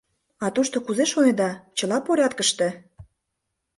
А тушто, кузе шонеда, чыла порядкыште?